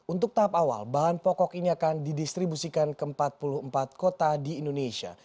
untuk tahap awal bahan pokok ini akan didistribusikan ke empat puluh empat kota di indonesia